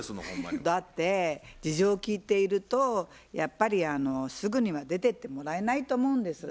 だって事情を聞いているとやっぱりすぐには出てってもらえないと思うんです。